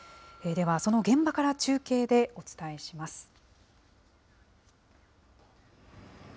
では、その現場から中継でお伝えします。